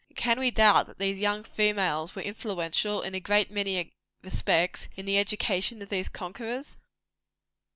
And can we doubt that these young females were influential, in a great many respects, in the education of these conquerors?